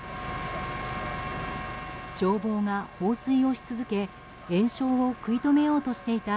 消防が放水をし続け延焼を食い止めようとしていた